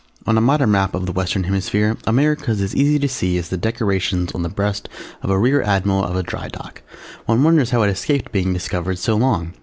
On a modern map of the Western Hemisphere America is as easy to see as the Decorations on the breast of a Rear Admiral of a Dry Dock. One wonders how it escaped being discovered so long!